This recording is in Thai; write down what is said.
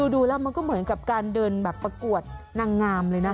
ดูแล้วมันก็เหมือนกับการเดินแบบประกวดนางงามเลยนะ